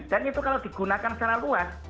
dan itu kalau digunakan secara luas